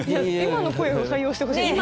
今の声を採用してほしい。